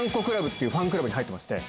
ＣＬＵＢっていうファンクラブに入ってまして。